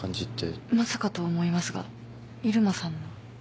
まさかとは思いますが入間さんの。